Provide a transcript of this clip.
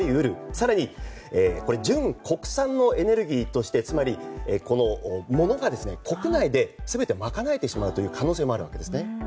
更に純国産のエネルギーとしてつまり、物が国内で全てまかなえてしまうという可能性もあるわけですね。